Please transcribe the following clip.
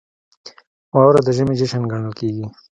• واوره د ژمي جشن ګڼل کېږي.